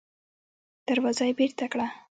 دروازه يې بېرته کړه.